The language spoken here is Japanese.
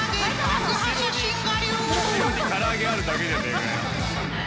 後ろに唐揚げあるだけじゃねえかよ。